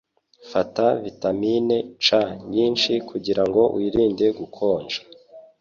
Fata vitamine C nyinshi kugirango wirinde gukonja.